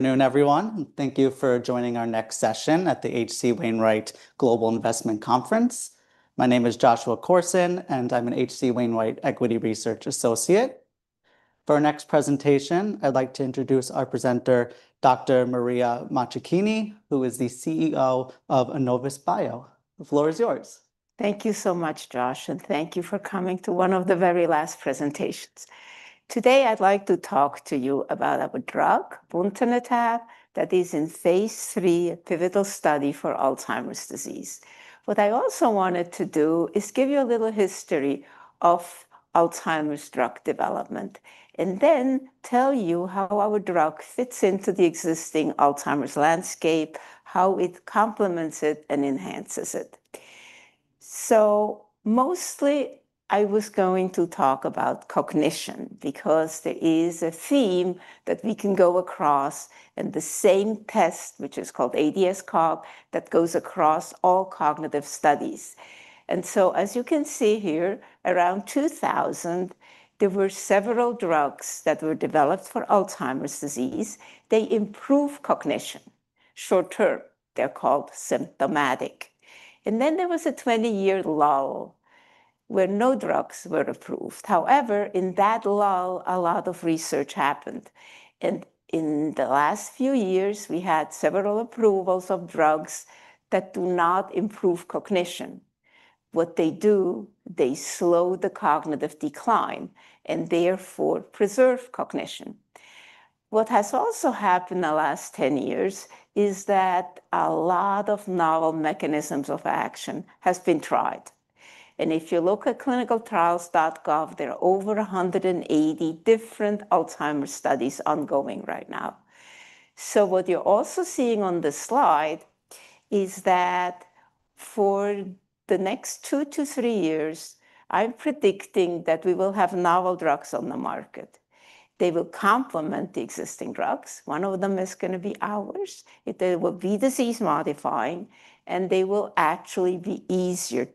Afternoon, everyone. Thank you for joining our next session at the H.C. Wainwright Global Investment Conference. My name is Joshua Korsen, and I'm an H.C. Wainwright Equity Research Associate. For our next presentation, I'd like to introduce our presenter, Dr. Maria Maccecchini, who is the CEO of Annovis Bio. The floor is yours. Thank you so much, Josh, and thank you for coming to one of the very last presentations. Today, I'd like to talk to you about our drug, buntanetap, that is in Phase III pivotal study for Alzheimer's disease. What I also wanted to do is give you a little history of Alzheimer's drug development, and then tell you how our drug fits into the existing Alzheimer's landscape, how it complements it, and enhances it. Mostly, I was going to talk about cognition because there is a theme that we can go across in the same test, which is called ADAS-Cog, that goes across all cognitive studies. As you can see here, around 2000, there were several drugs that were developed for Alzheimer's disease. They improve cognition short term. They're called symptomatic. Then there was a 20-year lull where no drugs were approved. However, in that lull, a lot of research happened, and in the last few years, we had several approvals of drugs that do not improve cognition. What they do, they slow the cognitive decline and therefore preserve cognition. What has also happened in the last 10 years is that a lot of novel mechanisms of action have been tried, and if you look at clinicaltrials.gov, there are over 180 different Alzheimer's studies ongoing right now. What you're also seeing on this slide is that for the next two to three years, I'm predicting that we will have novel drugs on the market. They will complement the existing drugs. One of them is going to be ours. There will be disease-modifying, and they will actually be easier.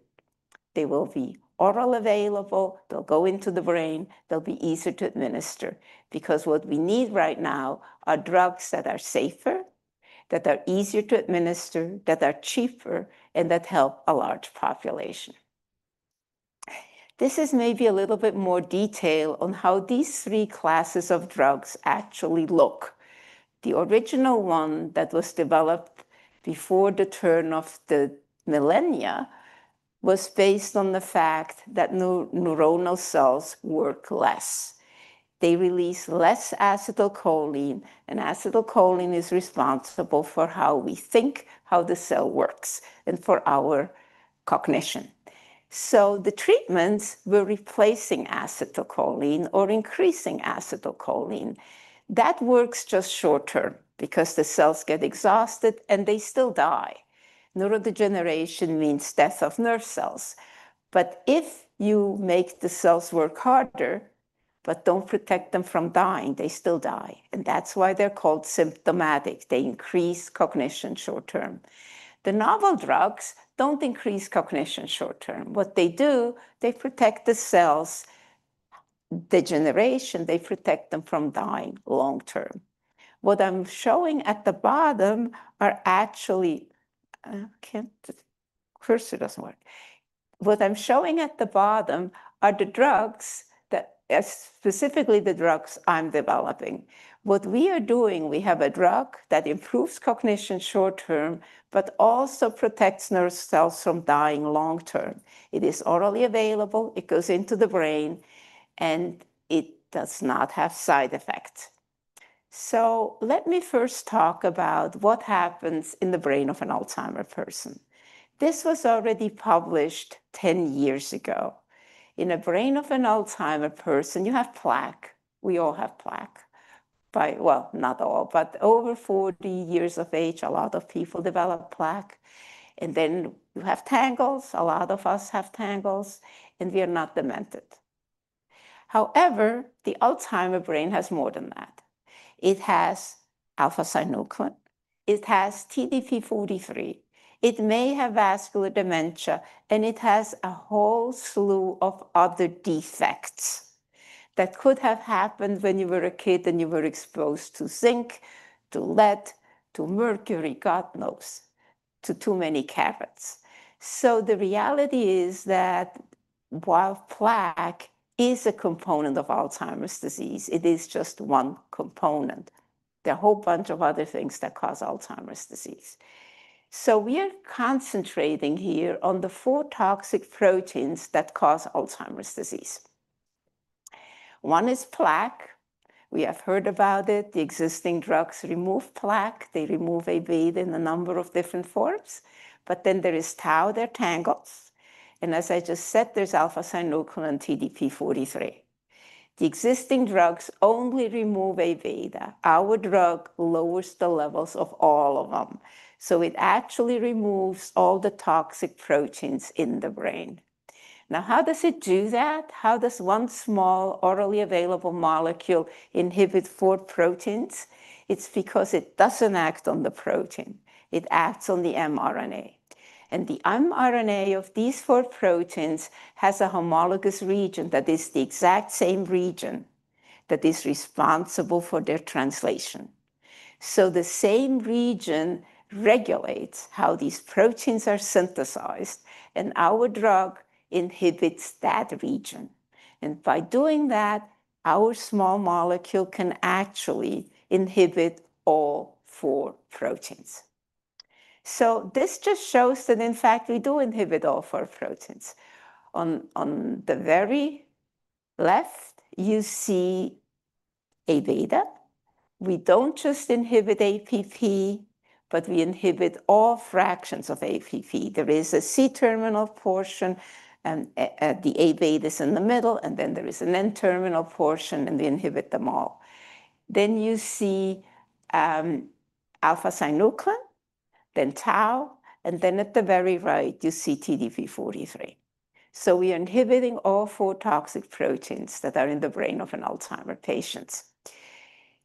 They will be orally available. They'll go into the brain. They'll be easier to administer because what we need right now are drugs that are safer, that are easier to administer, that are cheaper, and that help a large population. This is maybe a little bit more detail on how these three classes of drugs actually look. The original one that was developed before the turn of the millennium was based on the fact that neuronal cells work less. They release less acetylcholine, and acetylcholine is responsible for how we think, how the cell works, and for our cognition. So the treatments were replacing acetylcholine or increasing acetylcholine. That works just short term because the cells get exhausted, and they still die. Neurodegeneration means death of nerve cells. But if you make the cells work harder, but don't protect them from dying, they still die. And that's why they're called symptomatic. They increase cognition short term. The novel drugs don't increase cognition short term. What they do, they protect the cells' degeneration. They protect them from dying long term. What I'm showing at the bottom are the drugs that, specifically the drugs I'm developing. What we are doing, we have a drug that improves cognition short term, but also protects nerve cells from dying long term. It is orally available. It goes into the brain, and it does not have side effects, so let me first talk about what happens in the brain of an Alzheimer's person. This was already published 10 years ago. In the brain of an Alzheimer's person, you have plaque. We all have plaque, well, not all, but over 40 years of age, a lot of people develop plaque, and then you have tangles. A lot of us have tangles, and we are not demented. However, the Alzheimer's brain has more than that. It has alpha-synuclein. It has TDP-43. It may have vascular dementia, and it has a whole slew of other defects that could have happened when you were a kid and you were exposed to zinc, to lead, to mercury, God knows, to too many carrots. So the reality is that while plaque is a component of Alzheimer's disease, it is just one component. There are a whole bunch of other things that cause Alzheimer's disease. So we are concentrating here on the four toxic proteins that cause Alzheimer's disease. One is plaque. We have heard about it. The existing drugs remove plaque. They remove Aβ in a number of different forms. But then there is tau. There are tangles. And as I just said, there's alpha-synuclein and TDP-43. The existing drugs only remove Aβ. Our drug lowers the levels of all of them. So it actually removes all the toxic proteins in the brain. Now, how does it do that? How does one small orally available molecule inhibit four proteins? It's because it doesn't act on the protein. It acts on the mRNA. And the mRNA of these four proteins has a homologous region that is the exact same region that is responsible for their translation. So the same region regulates how these proteins are synthesized, and our drug inhibits that region. And by doing that, our small molecule can actually inhibit all four proteins. So this just shows that, in fact, we do inhibit all four proteins. On the very left, you see Aβ. We don't just inhibit APP, but we inhibit all fractions of APP. There is a C-terminal portion, and the Aβ is in the middle, and then there is an N-terminal portion, and we inhibit them all. Then you see alpha-synuclein, then tau, and then at the very right, you see TDP-43. So we are inhibiting all four toxic proteins that are in the brain of Alzheimer's patients.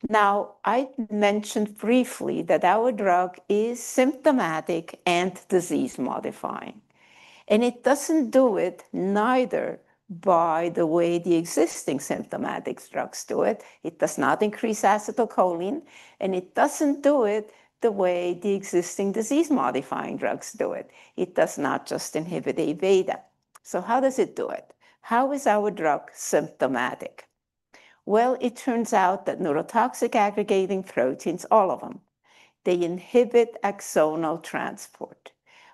Now, I mentioned briefly that our drug is symptomatic and disease-modifying. And it doesn't do it neither by the way the existing symptomatic drugs do it. It does not increase acetylcholine, and it doesn't do it the way the existing disease-modifying drugs do it. It does not just inhibit Aβ. So how does it do it? How is our drug symptomatic? Well, it turns out that neurotoxic aggregating proteins, all of them, they inhibit axonal transport.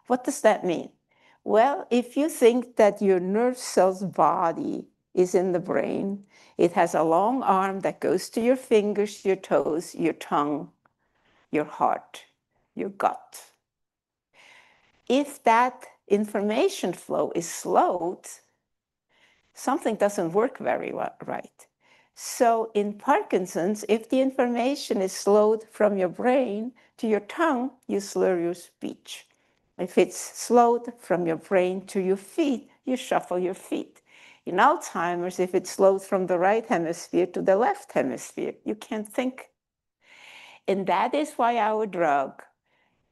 What does that mean? If you think that your nerve cells' body is in the brain, it has a long arm that goes to your fingers, your toes, your tongue, your heart, your gut. If that information flow is slowed, something doesn't work very well. Right? In Parkinson's, if the information is slowed from your brain to your tongue, you slur your speech. If it's slowed from your brain to your feet, you shuffle your feet. In Alzheimer's, if it's slowed from the right hemisphere to the left hemisphere, you can't think. That is why our drug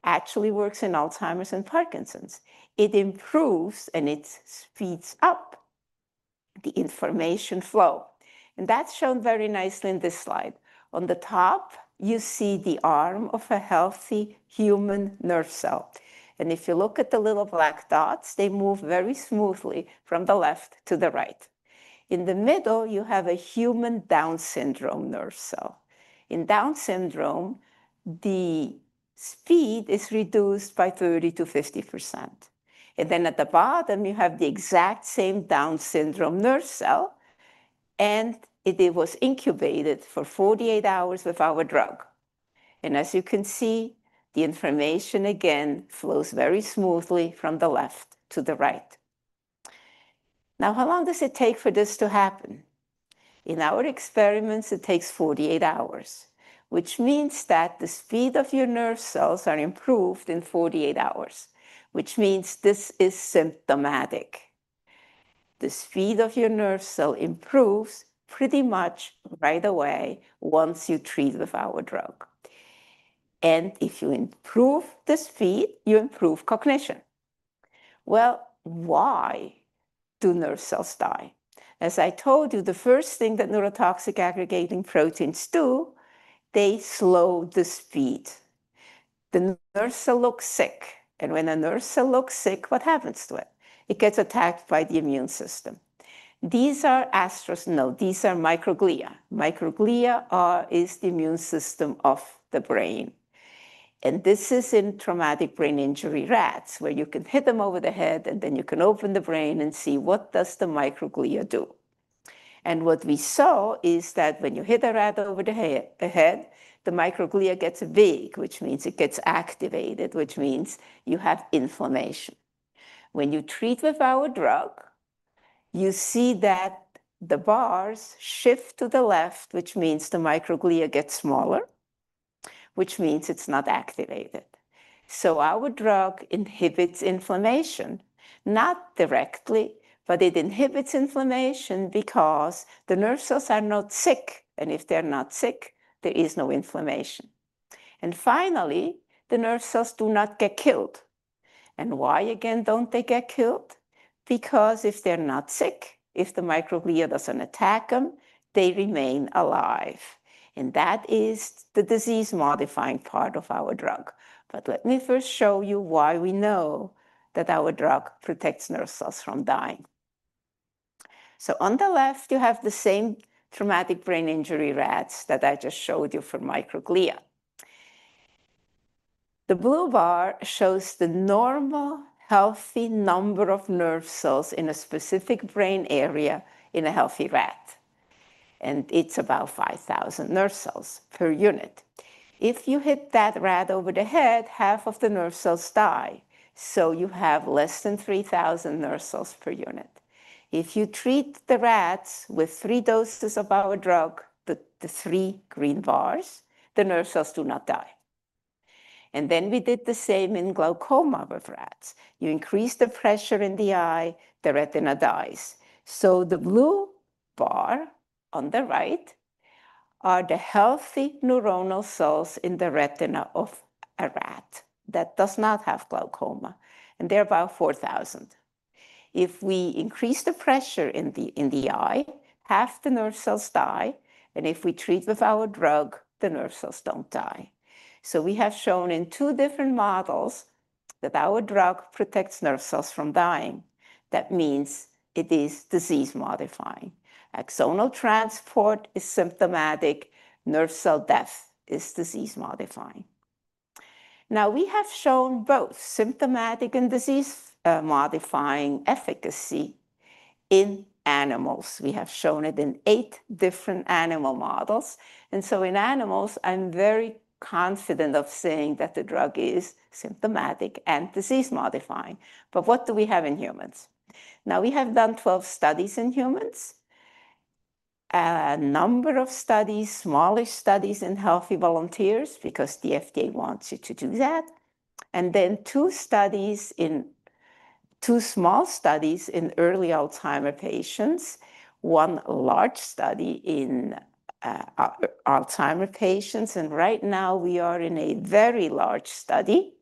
actually works in Alzheimer's and Parkinson's. It improves, and it speeds up the information flow. That's shown very nicely in this slide. On the top, you see the arm of a healthy human nerve cell. If you look at the little black dots, they move very smoothly from the left to the right. In the middle, you have a human Down syndrome nerve cell. In Down syndrome, the speed is reduced by 30%-50%. And then at the bottom, you have the exact same Down syndrome nerve cell, and it was incubated for 48 hours with our drug. And as you can see, the information again flows very smoothly from the left to the right. Now, how long does it take for this to happen? In our experiments, it takes 48 hours, which means that the speed of your nerve cells is improved in 48 hours, which means this is symptomatic. The speed of your nerve cell improves pretty much right away once you treat with our drug. And if you improve the speed, you improve cognition. Well, why do nerve cells die? As I told you, the first thing that neurotoxic aggregating proteins do, they slow the speed. The nerve cell looks sick, and when a nerve cell looks sick, what happens to it? It gets attacked by the immune system. These are astro—no, these are microglia. Microglia is the immune system of the brain, and this is in traumatic brain injury rats, where you can hit them over the head, and then you can open the brain and see what does the microglia do, and what we saw is that when you hit a rat over the head, the microglia gets big, which means it gets activated, which means you have inflammation. When you treat with our drug, you see that the bars shift to the left, which means the microglia gets smaller, which means it's not activated. So, our drug inhibits inflammation, not directly, but it inhibits inflammation because the nerve cells are not sick. And if they're not sick, there is no inflammation. And finally, the nerve cells do not get killed. And why, again, don't they get killed? Because if they're not sick, if the microglia doesn't attack them, they remain alive. And that is the disease-modifying part of our drug. But let me first show you why we know that our drug protects nerve cells from dying. So, on the left, you have the same traumatic brain injury rats that I just showed you for microglia. The blue bar shows the normal healthy number of nerve cells in a specific brain area in a healthy rat. And it's about 5,000 nerve cells per unit. If you hit that rat over the head, half of the nerve cells die. So you have less than 3,000 nerve cells per unit. If you treat the rats with three doses of our drug, the three green bars, the nerve cells do not die. And then we did the same in glaucoma with rats. You increase the pressure in the eye, the retina dies. So the blue bar on the right are the healthy neuronal cells in the retina of a rat that does not have glaucoma, and they're about 4,000. If we increase the pressure in the eye, half the nerve cells die. And if we treat with our drug, the nerve cells don't die. So we have shown in two different models that our drug protects nerve cells from dying. That means it is disease-modifying. Axonal transport is symptomatic. Nerve cell death is disease-modifying. Now, we have shown both symptomatic and disease-modifying efficacy in animals. We have shown it in eight different animal models, and so in animals, I'm very confident of saying that the drug is symptomatic and disease-modifying, but what do we have in humans? Now, we have done 12 studies in humans, a number of studies, smaller studies in healthy volunteers because the FDA wants you to do that, and then two small studies in early Alzheimer's patients, one large study in Alzheimer's patients, and right now, we are in a very large study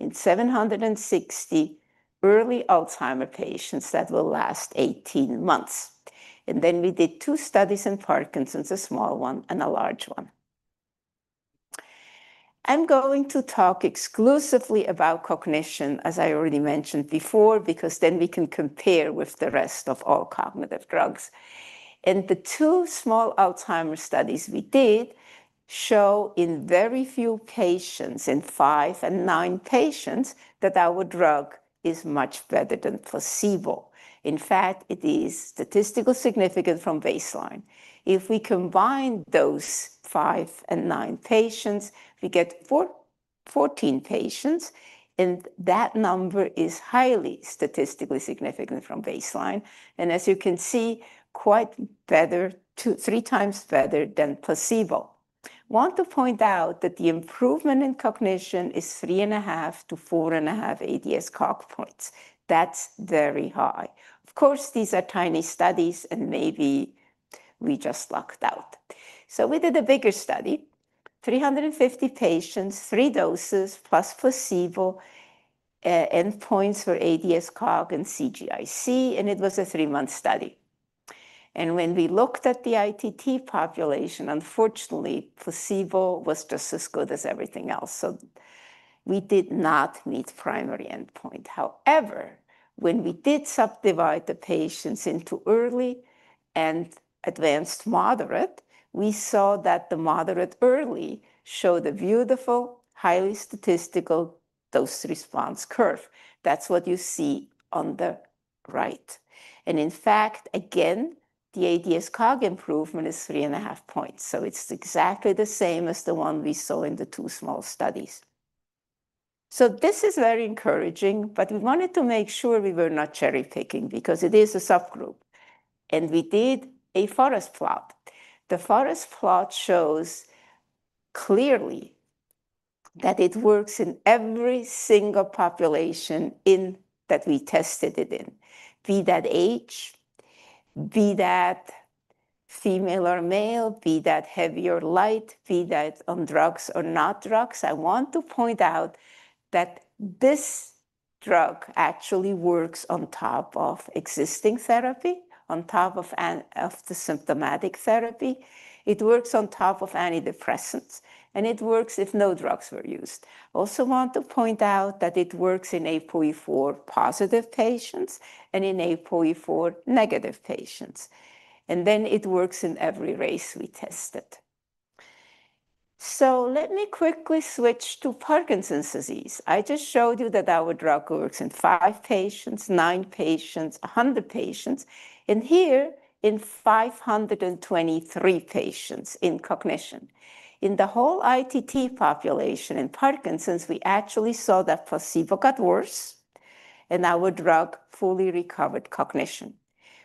in 760 early Alzheimer's patients that will last 18 months, and then we did two studies in Parkinson's, a small one and a large one. I'm going to talk exclusively about cognition, as I already mentioned before, because then we can compare with the rest of all cognitive drugs. And the two small Alzheimer's studies we did show in very few patients, in five and nine patients, that our drug is much better than placebo. In fact, it is statistically significant from baseline. If we combine those five and nine patients, we get 14 patients, and that number is highly statistically significant from baseline. And as you can see, quite better, three times better than placebo. I want to point out that the improvement in cognition is 3.5-4.5 ADAS-Cog points. That's very high. Of course, these are tiny studies, and maybe we just lucked out. So we did a bigger study, 350 patients, three doses plus placebo endpoints for ADAS-Cog and ADCS-CGIC, and it was a three-month study. And when we looked at the ITT population, unfortunately, placebo was just as good as everything else. So we did not meet primary endpoint. However, when we did subdivide the patients into early and advanced moderate, we saw that the moderate early showed a beautiful, highly statistical dose response curve. That's what you see on the right. And in fact, again, the ADAS-Cog improvement is 3.5 points. So it's exactly the same as the one we saw in the two small studies. So this is very encouraging, but we wanted to make sure we were not cherry-picking because it is a subgroup. And we did a forest plot. The forest plot shows clearly that it works in every single population that we tested it in, be that age, be that female or male, be that heavy or light, be that on drugs or not drugs. I want to point out that this drug actually works on top of existing therapy, on top of the symptomatic therapy. It works on top of antidepressants, and it works if no drugs were used. I also want to point out that it works in APOE4 positive patients and in APOE4 negative patients, and then it works in every race we tested, so let me quickly switch to Parkinson's disease. I just showed you that our drug works in five patients, nine patients, 100 patients, and here in 523 patients in cognition. In the whole ITT population in Parkinson's, we actually saw that placebo got worse, and our drug fully recovered cognition.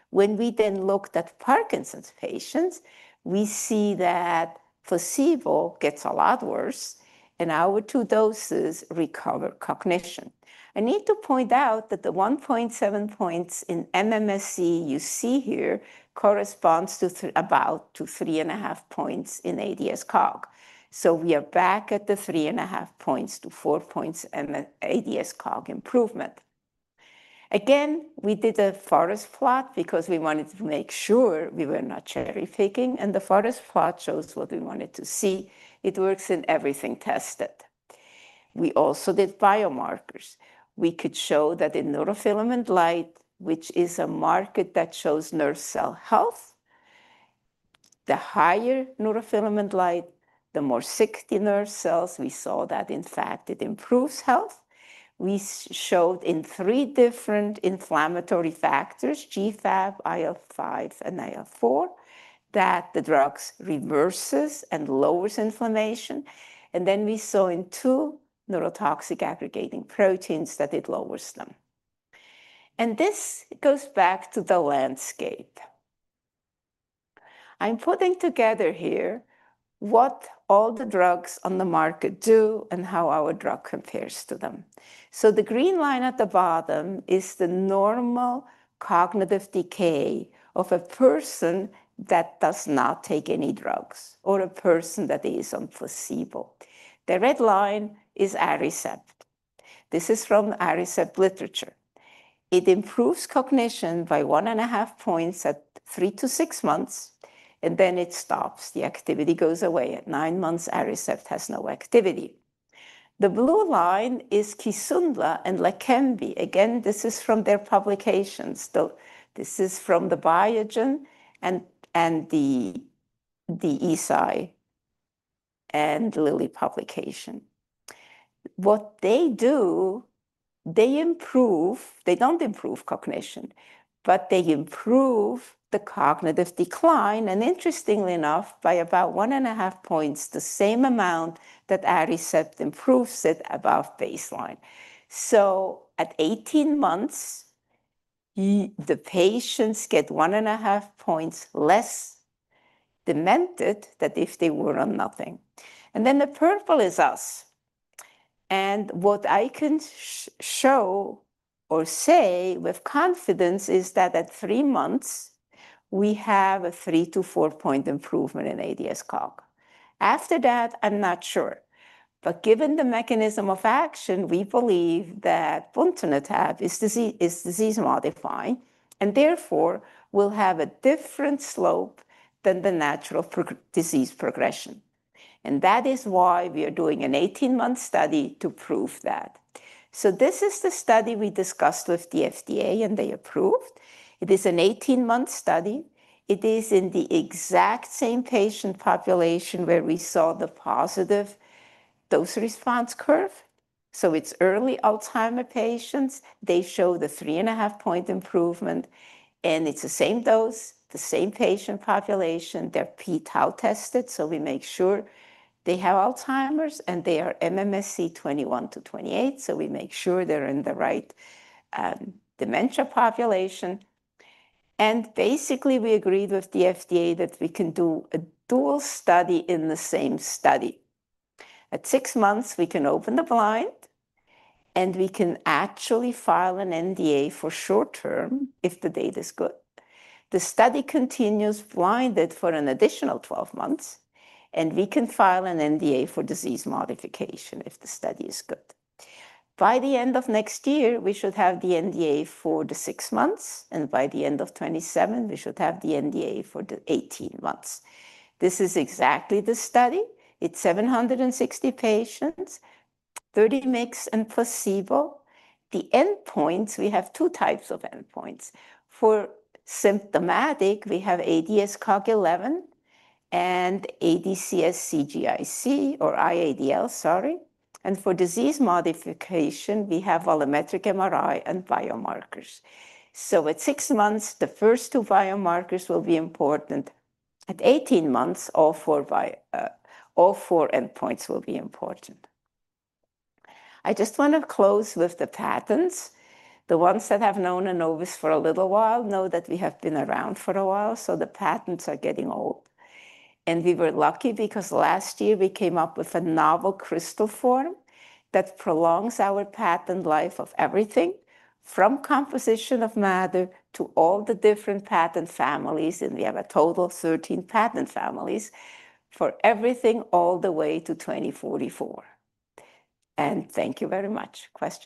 When we then looked at Parkinson's patients, we see that placebo gets a lot worse, and our two doses recover cognition. I need to point out that the 1.7 points in MMSE you see here corresponds to about 3.5 points in ADAS-Cog, so we are back at the 3.5-4 points ADAS-Cog improvement. Again, we did a forest plot because we wanted to make sure we were not cherry-picking, and the forest plot shows what we wanted to see. It works in everything tested. We also did biomarkers. We could show that in neurofilament light, which is a marker that shows nerve cell health, the higher neurofilament light, the more sick the nerve cells. We saw that, in fact, it improves health. We showed in three different inflammatory factors, GFAP, IL-5, and IL-4, that the drugs reverse and lower inflammation, and then we saw in two neurotoxic aggregating proteins that it lowers them, and this goes back to the landscape. I'm putting together here what all the drugs on the market do and how our drug compares to them. The green line at the bottom is the normal cognitive decay of a person that does not take any drugs or a person that is on placebo. The red line is Aricept. This is from Aricept literature. It improves cognition by one and a half points at three to six months, and then it stops. The activity goes away. At nine months, Aricept has no activity. The blue line is Kisunla and Leqembi. Again, this is from their publications. This is from the Biogen and the Eisai and Lilly publication. What they do, they improve. They don't improve cognition, but they improve the cognitive decline. Interestingly enough, by about one and a half points, the same amount that Aricept improves it above baseline. So at 18 months, the patients get one and a half points less demented than if they were on nothing. And then the purple is us. And what I can show or say with confidence is that at three months, we have a three- to four-point improvement in ADAS-Cog. After that, I'm not sure. But given the mechanism of action, we believe that buntanetap is disease-modifying and therefore will have a different slope than the natural disease progression. And that is why we are doing an 18-month study to prove that. So this is the study we discussed with the FDA, and they approved. It is an 18-month study. It is in the exact same patient population where we saw the positive dose response curve. So it's early Alzheimer's patients. They show the three-and-a-half-point improvement, and it's the same dose, the same patient population. They're p-tau tested, so we make sure they have Alzheimer's, and they are MMSE 21-28, so we make sure they're in the right dementia population, and basically, we agreed with the FDA that we can do a dual study in the same study. At six months, we can open the blind, and we can actually file an NDA for short-term if the data is good. The study continues blinded for an additional 12 months, and we can file an NDA for disease modification if the study is good. By the end of next year, we should have the NDA for the six months, and by the end of 2027, we should have the NDA for the 18 months. This is exactly the study. It's 760 patients, 30 mg and placebo. The endpoints. We have two types of endpoints. For symptomatic, we have ADAS-Cog 11 and ADCS-CGIC or IADL, sorry. And for disease modification, we have volumetric MRI and biomarkers. So at six months, the first two biomarkers will be important. At 18 months, all four endpoints will be important. I just want to close with the patents. The ones that have known Annovis for a little while know that we have been around for a while, so the patents are getting old. And we were lucky because last year, we came up with a novel crystal form that prolongs our patent life of everything from composition of matter to all the different patent families. And we have a total of 13 patent families for everything all the way to 2044. And thank you very much. Questions?